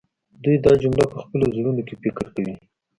دوی دا جمله په خپلو زړونو کې فکر کوي